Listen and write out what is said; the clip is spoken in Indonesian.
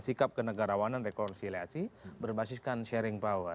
sikap kenegarawanan dan dekonsiliasi berbasiskan sharing power